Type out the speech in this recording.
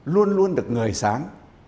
luôn luôn được ngời sáng